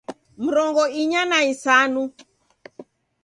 Mrongo inya na isanu